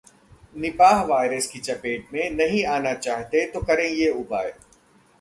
Nipah virus की चपेट में नहीं आना चाहते तो करें ये उपाय